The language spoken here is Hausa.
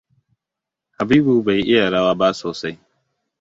Habibu bai iya rawa ba sosai.